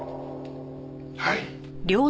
はい！